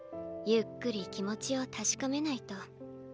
ゆっくり気持ちを確かめないと。